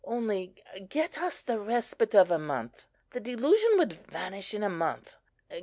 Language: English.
Only get us the respite of a month; the delusion would vanish in a month.